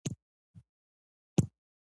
لې لیان ډېره ناکاره ټکنالوژي استعملوي